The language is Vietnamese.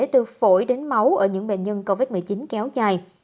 từ phổi đến máu ở những bệnh nhân covid một mươi chín kéo dài